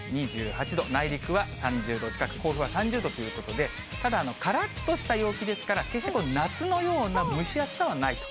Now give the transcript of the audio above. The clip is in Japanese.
２８度、内陸は３０度近く、甲府は３０度ということで、ただ、からっとした陽気ですから、決して夏のような蒸し暑さはないと。